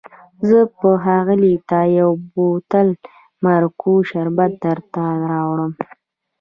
زه به ښاغلي ته یو بوتل مارګو شربت درته راوړم.